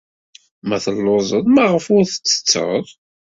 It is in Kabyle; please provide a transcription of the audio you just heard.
Ma telluẓed, maɣef ur tettetted?